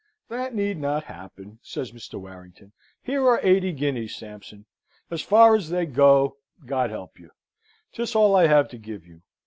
"That need not happen," says Mr. Warrington. "Here are eighty guineas, Sampson. As far as they go, God help you! 'Tis all I have to give you.